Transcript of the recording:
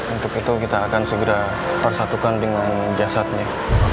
untuk itu kita akan segera persatukan dengan jasadnya